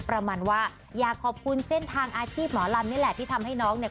ประมาณว่าอยากขอบคุณเส้นทางอาชีพหมอลำนี่แหละที่ทำให้น้องเนี่ย